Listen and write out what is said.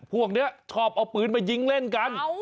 พวกนี้ชอบเอาปืนมายิงเล่นกัน